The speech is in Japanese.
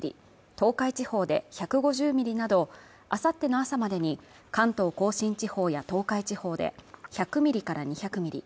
東海地方で１５０ミリなどあさっての朝までに関東甲信地方や東海地方で１００ミリから２００ミリ